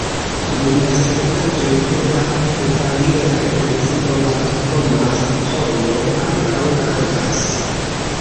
Dum la solenaĵoj de la evangela eklezio la Thomas-ĥoro ankaŭ kantas.